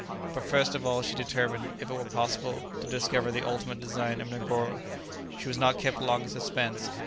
But, first of all, she determined, if it were possible, to discover the ultimate design of Negoro. She was not kept long in suspense.